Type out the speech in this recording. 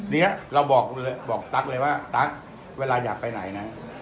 นี้เราบอกตั๊กเลยว่าตั๊กเวลาอยากไปไหนนะ